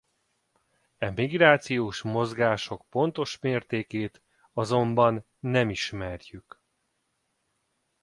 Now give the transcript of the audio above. E migrációs mozgások pontos mértékét azonban nem ismerjük.